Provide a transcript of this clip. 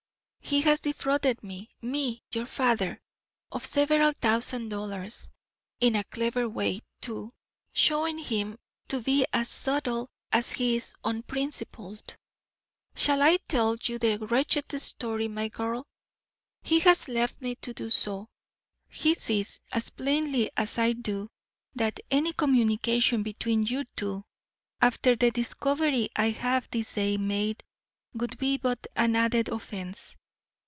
He has defrauded me, ME, your father, of several thousand dollars. In a clever way, too, showing him to be as subtle as he is unprincipled. Shall I tell you the wretched story, my girl? He has left me to do so. He sees as plainly as I do that any communication between you two after the discovery I have this day made would be but an added offence.